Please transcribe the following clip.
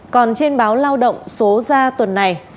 còn trên báo lao động số ra tuần này